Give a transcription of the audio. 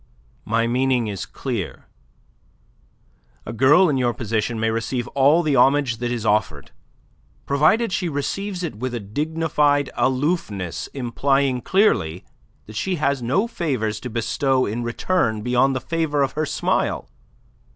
"My meaning is clear. A girl in your position may receive all the homage that is offered, provided she receives it with a dignified aloofness implying clearly that she has no favours to bestow in return beyond the favour of her smile.